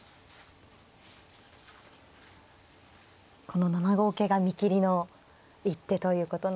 この７五桂が見切りの一手ということなんですね。